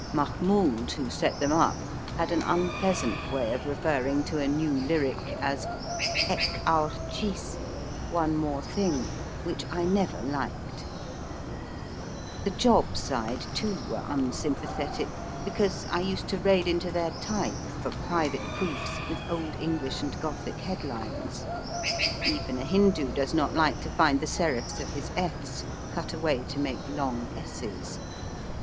Mahmoud, who set them up, had an unpleasant way of referring to a new lyric as Ek aur cliiz one more thing which I never liked. The job side, too, were unsympathetic, because 1 used to raid into their type for private proofs with old English and Gothic headlines. Even a Hindoo does not like to find the serifs of his f s cut away to make long s s.